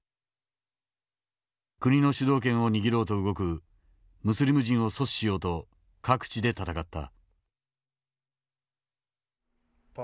国の主導権を握ろうと動くムスリム人を阻止しようと各地で戦った。